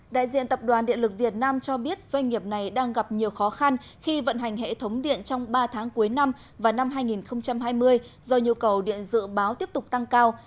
đại diện tập đoàn điện lực việt nam cho biết doanh nghiệp này đang gặp nhiều khó khăn khi vận hành hệ thống điện trong ba tháng cuối năm và năm hai nghìn hai mươi do nhu cầu điện dự báo tiếp tục tăng cao